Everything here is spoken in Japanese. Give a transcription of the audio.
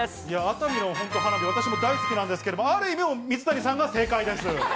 熱海の本当、花火、私も大好きなんですけれども、ある意味、水谷さんが正解です。